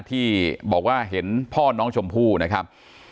ที่บอกว่าเห็นพ่อน้องชมพู่นะครับ